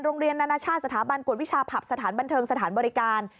โรงเรียนนาชาติสถาบันกฎวิชาภัพธ์สถานบันเทิงสถานบริการ